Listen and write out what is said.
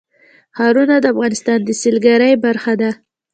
ښارونه د افغانستان د سیلګرۍ برخه ده.